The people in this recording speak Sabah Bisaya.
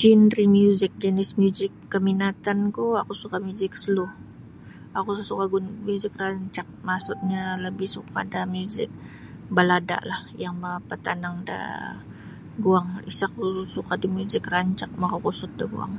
Genre muzik jenis muzik kaminatanku oku suka muzik slow oku isa suka muzik rancak maksudnya labih suka da muzik balada lah yang mapatanang da guang isa ku suka da muzik rancak maka kusut da guang.